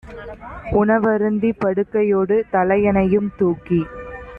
உணவருந்திப் படுக்கையொடு தலையணையும் தூக்கி